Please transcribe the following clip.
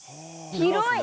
広い！